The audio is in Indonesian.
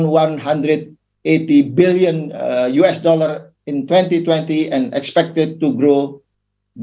dan diharapkan untuk berkembang dengan empat belas sembilan puluh enam